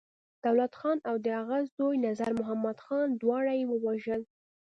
دولت خان او د هغه زوی نظرمحمد خان، دواړه يې ووژل.